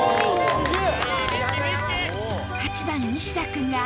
すげえ！